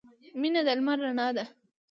• مینه د لمر رڼا ده.